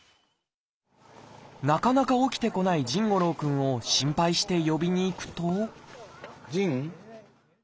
なかなか起きてこない臣伍朗くんを心配して呼びに行くとじん？